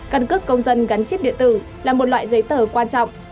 căn cước công dân gắn chip điện tử là một loại giấy tờ quan trọng